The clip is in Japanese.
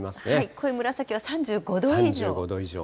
濃い紫は３５度以上。